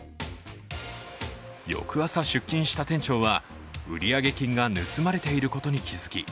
翌朝、出勤した店長は売上金が盗まれていることに気付き